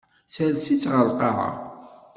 Sers-itt ɣer lqaɛa.